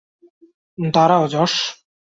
দাঁড়াও, জশ!